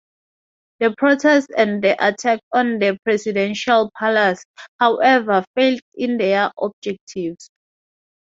The protests and the attack on the presidential palace, however, failed in their objectives.